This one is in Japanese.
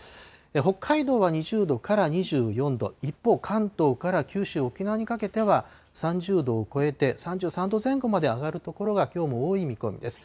北海道は２０度から２４度、一方、関東から九州、沖縄にかけては、３０度を超えて、３３度前後まで上がる所はきょうも多い見込みです。